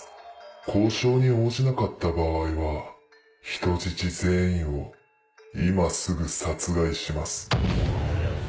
交渉に応じなかった場合は人質全員を今すぐ殺害します。